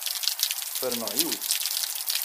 Ferneɣ yiwet.